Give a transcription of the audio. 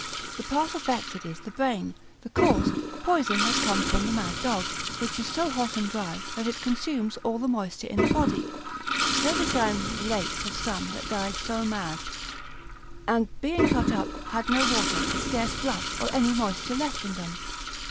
The part affected is the brain: the cause, poison that comes from the mad dog, which is so hot and dry, that it consumes all the moisture in the body. Hildesheim relates of some that died so mad; and being cut up, had no water, scarce blood, or any moisture left in them.